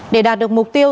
để đạt được mục tiêu